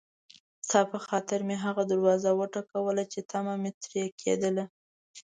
ستا په خاطر مې هغه دروازه وټکوله چې طمعه مې ترې کېدله.